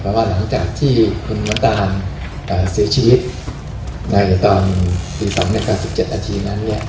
เพราะว่าหลังจากที่คุณน้ำตาลเสียชีวิตในตอน๑๒๙๗นั้น